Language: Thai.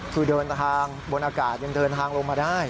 คือเดินทางบนอากาศยังเดินทางลงมาได้